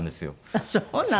ああそうなの。